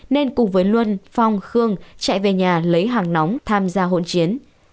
nên cùng với luân phong khương chạy về nhà lấy hàng nóng tham gia hỗn chiến